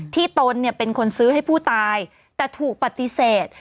ตนเนี่ยเป็นคนซื้อให้ผู้ตายแต่ถูกปฏิเสธ